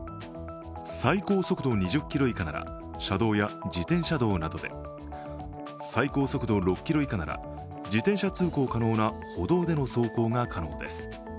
最高速度２０キロ以下なら車道や自転車道などで最高速度６キロ以下なら、自転車通行可能な歩道での走行が可能です。